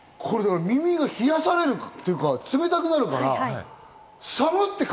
これ耳が冷やされるっていうか冷たくなるから、寒っ！